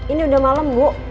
ini udah malem bu